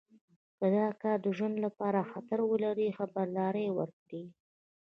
که دا کار د ژوند لپاره خطر ولري خبرداری ورکړئ.